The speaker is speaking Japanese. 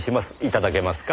頂けますか？